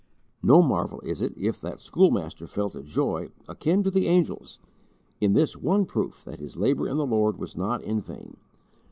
No marvel is it if that schoolmaster felt a joy, akin to the angels, in this one proof that his labour in the Lord was not in vain.